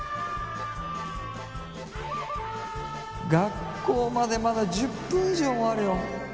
学校までまだ１０分以上もあるよ。